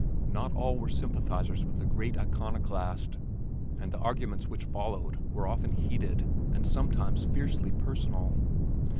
Not all were sympathizers with the great iconoclast, and the arguments which followed were often heated and sometimes fiercely personal.